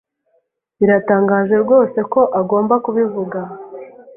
Biratangaje rwose ko agomba kubivuga.